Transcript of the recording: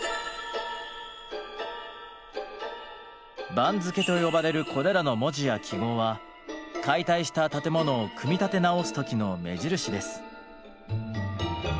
「番付」と呼ばれるこれらの文字や記号は解体した建物を組み立て直す時の目印です。